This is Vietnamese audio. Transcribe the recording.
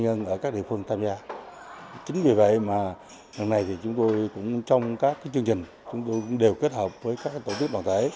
trong các chương trình chúng tôi cũng đều kết hợp với các tổ chức đoàn thể